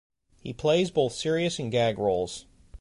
He plays both serious and gag roles.